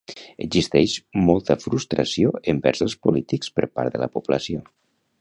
Existeix molta frustració envers els polítics per part de la població.